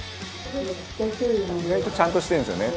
「意外とちゃんとしてるんですよね」